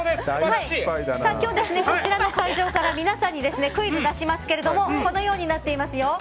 今日は、こちらの会場から皆さんにクイズを出しますがこのようになっていますよ。